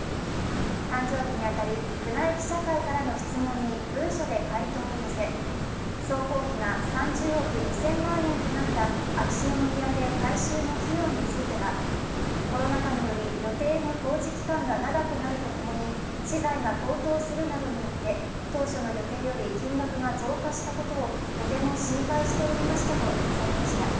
誕生日に当たり、宮内記者会からの質問に文書で回答を寄せ、総工費が３０億２０００万円となった秋篠宮邸改修の費用については、コロナ禍により予定の工事期間が長くなるとともに、資材が高騰するなどによって当初の予定より金額が増加したことをとても心配しておりましたと明かされました。